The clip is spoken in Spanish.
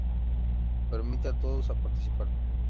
Permite a todos a participar.